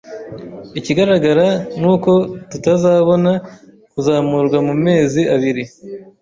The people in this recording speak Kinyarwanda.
Ikigaragara ni uko tuzabona kuzamurwa mu mezi abiri